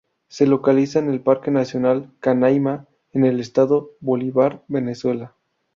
Se localiza en el Parque nacional Canaima, en el estado Bolívar, Venezuela.